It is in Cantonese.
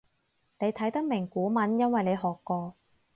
你睇得明古文因為你學過